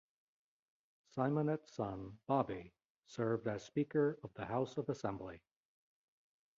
Symonette's son Bobby served as Speaker of the House of Assembly.